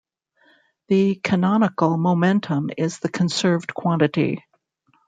The canonical momentum is the conserved quantity.